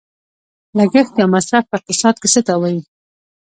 لګښت یا مصرف په اقتصاد کې څه ته وايي؟